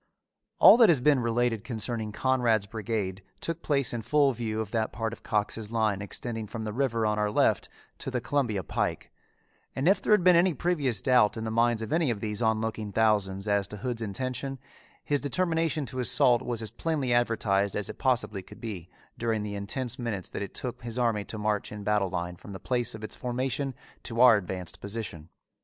All that has been related concerning Conrad's brigade took place in full view of that part of Cox's line extending from the river on our left to the Columbia Pike, and if there had been any previous doubt in the minds of any of these on looking thousands as to Hood's intention, his determination to assault was as plainly advertised as it possibly could be during the intense minutes that it took his army to march in battle line from the place of its formation to our advanced position.